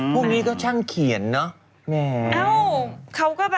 พวกนี้ก็ช่างเขียนเนาะ